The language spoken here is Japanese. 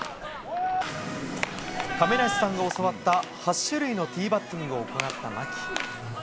亀梨さんが教わった８種類のティーバッティングを行った牧。